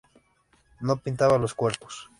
No pintaban los cuerpos.